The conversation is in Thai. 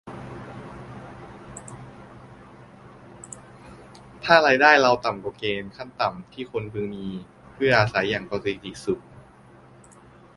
ถ้ารายได้เราต่ำกว่าเกณฑ์ขั้นต่ำที่คนพึงมีเพื่ออาศัยอย่างปกติสุข